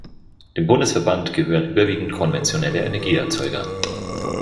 Dem Bundesverband gehören überwiegend konventionelle Energieerzeuger an.